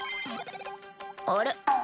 あれ？